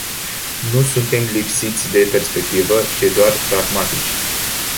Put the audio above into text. Nu suntem lipsiți de perspectivă, ci doar pragmatici.